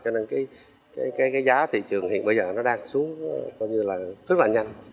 cái giá thị trường hiện bây giờ nó đang xuống coi như là rất là nhanh